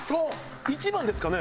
一番ですかね？